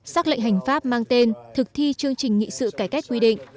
xác lệnh hành pháp mang tên thực thi chương trình nghị sự cải cách quy định